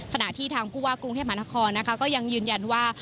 ขณะที่ทางผู้ว่ากรุงเทพมหานครนะคะก็ยังยืนยันว่า